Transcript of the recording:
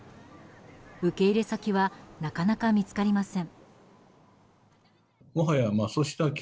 受け入れ先はなかなか見つかりません。